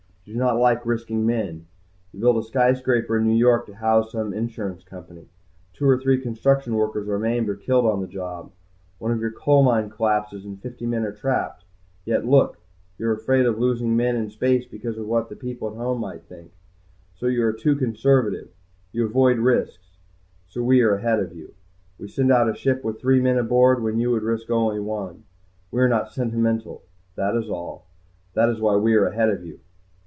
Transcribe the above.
You do not like risking men. You build a skyscraper in New York to house some insurance company. Two or three construction workers are maimed or killed on the job. One of your coal mines collapses and fifty men are trapped. Yet, look. You are afraid of losing men in space because of what the people at home might think. So you are too conservative, you avoid risks. So we are ahead of you. We send out a ship with three men aboard when you would risk only one. We are not sentimental, that is all. That is why we are ahead of you."